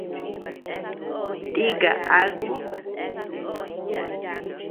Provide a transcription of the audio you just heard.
Tika aku.